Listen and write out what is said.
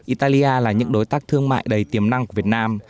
italia là những đối tác thương mại đầy tiềm năng của việt nam